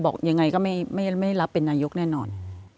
บอกยังไงก็ไม่รับเป็นนายกแน่นอน